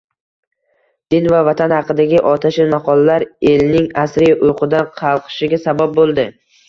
din va vatan haqidagi otashin maqolalar elning asriy uyqudan qalqishiga sabab bo'ldi.